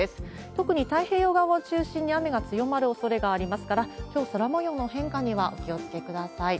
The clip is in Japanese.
特に太平洋側を中心に雨が強まるおそれがありますから、きょう、空もようの変化にはお気をつけください。